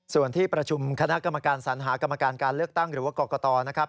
ส่วนที่ประชุมคณะกรรมการสัญหากรรมการการเลือกตั้งหรือว่ากรกตนะครับ